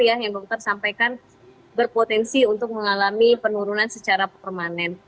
yang dokter sampaikan berpotensi untuk mengalami penurunan secara permanen